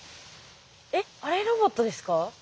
えっあれロボットですか？